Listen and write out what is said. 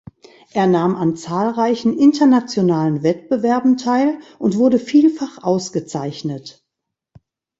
Er nahm an zahlreichen internationalen Wettbewerben teil und wurde vielfach ausgezeichnet.